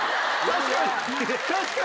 確かに！